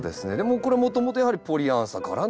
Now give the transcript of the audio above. これもともとやはりポリアンサからの。